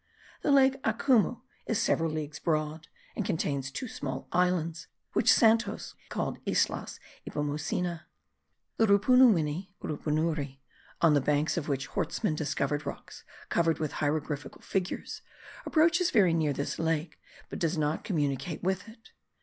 The lake Amucu is several leagues broad, and contains two small islands, which Santos heard called Islas Ipomucena. The Rupunuwini (Rupunury), on the banks of which Hortsmann discovered rocks covered with hieroglyphical figures, approaches very near this lake, but does not communicate with it.